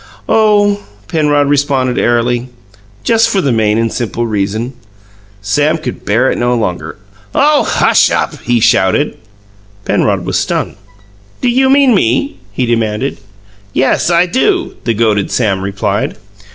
"Oh," Penrod responded airily, "just for the main and simple reason!" Sam could bear it no longer. "Oh, hush up!" he shouted. Penrod was stung. "Do you mean ME?" he demanded. "Yes, I do!" the goaded Sam replied.